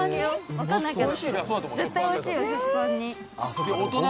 わからないけど」